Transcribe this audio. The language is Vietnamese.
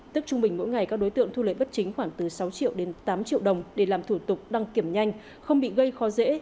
tức trung bình mỗi ngày các đối tượng thu lợi bất chính khoảng từ sáu triệu đến tám triệu đồng để làm thủ tục đăng kiểm nhanh không bị gây khó dễ